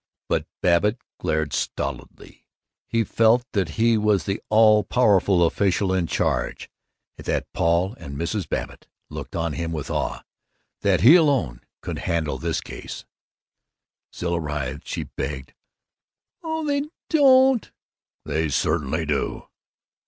But Babbitt glared stolidly. He felt that he was the all powerful official in charge; that Paul and Mrs. Babbitt looked on him with awe; that he alone could handle this case. Zilla writhed. She begged, "Oh, they don't!" "They certainly do!"